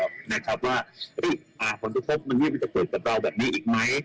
ว่าอ่าฝนทศพมันยืดเป็นเกราะตัวเราแบบนี้อีกไหม